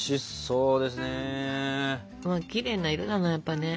うわきれいな色だねやっぱね。